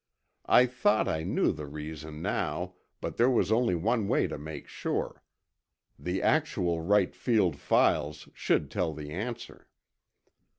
I thought I new the reason now but there was only one way to make sure. The actual Wright Field files should tell the answer.